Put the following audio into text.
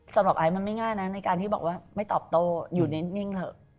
สำหรับไอมันไม่ง่ายในการที่บอกแบบไม่ตอบโตอยู่ในนิ่ง